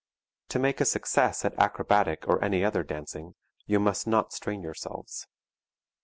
To make a success at acrobatic or any other dancing you must not strain yourselves.